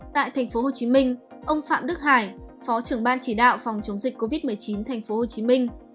tại tp hcm ông phạm đức hải phó trưởng ban chỉ đạo phòng chống dịch covid một mươi chín tp hcm